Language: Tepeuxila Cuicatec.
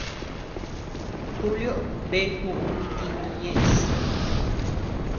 Julio bea juʼu itintu ñeʼës.